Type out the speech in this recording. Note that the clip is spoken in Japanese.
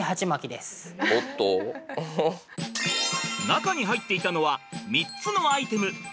中に入っていたのは３つのアイテム。